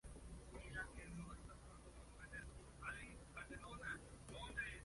Hodgson ante la repentina y peligrosa enfermedad de su pequeño hijo.